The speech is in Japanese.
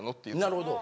なるほど。